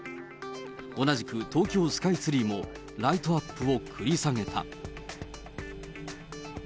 同じく東京スカイツリーも、ライトアップを繰り下げた。